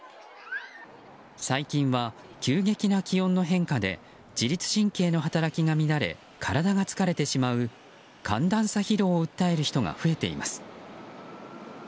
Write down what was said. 最近は、急激な気温の変化で自律神経の働きが乱れ体が疲れてしまう寒暖差疲労を訴える人が増えています。